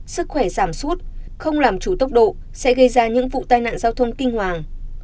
sức khỏe giảm sút không làm chủ tốc độ sẽ gây ra những vụ tai nạn giao thông kinh hoàng